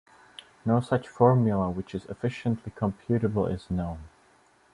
No such formula which is efficiently computable is known.